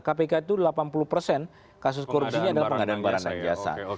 kpk itu delapan puluh persen kasus korupsinya adalah pengadaan barang dan jasa